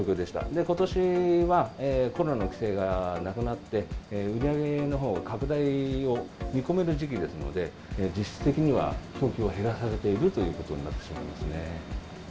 で、ことしは、コロナの規制がなくなって、売り上げのほう、拡大を見込める時期ですので、実質的には供給を減らされているということになってしまいますね。